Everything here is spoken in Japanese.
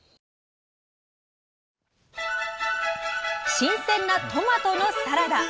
新鮮なトマトのサラダ。